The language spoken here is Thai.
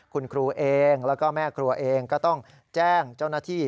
คุณครูเองแล้วก็แม่ครัวเองก็ต้องแจ้งเจ้าหน้าที่